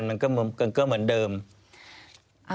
ควิทยาลัยเชียร์สวัสดีครับ